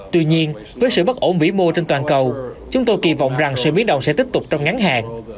tuy nhiên với sự bất ổn vĩ mô trên toàn cầu chúng tôi kỳ vọng rằng sự biến động sẽ tiếp tục trong ngắn hạn